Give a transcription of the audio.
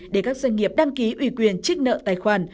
để các doanh nghiệp đăng ký ủy quyền trích nợ tài khoản